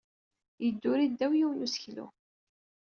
Yedduri ddaw yiwen n useklu.